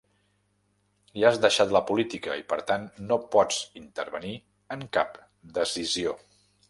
I has deixat la política i, per tant, no pots intervenir en cap decisió.